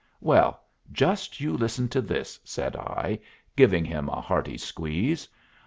"Well, just you listen to this," said I, giving him a hearty squeeze.